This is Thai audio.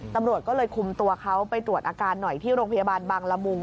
ตำรวจก็เลยคุมตัวเขาไปตรวจอาการหน่อยที่โรงพยาบาลบางละมุง